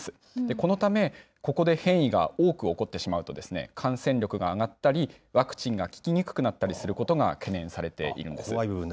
このためここで変異が多く起こってしまうと、感染力が上がったり、ワクチンが効きにくくなったりすることが懸念されているんです。